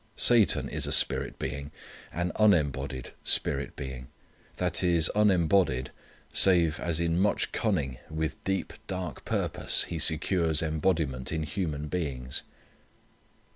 Satan is a spirit being; an unembodied spirit being. That is, unembodied, save as in much cunning, with deep, dark purpose he secures embodiment in human beings.